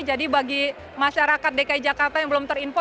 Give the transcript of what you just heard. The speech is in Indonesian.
jadi bagi masyarakat dki jakarta yang belum terinfo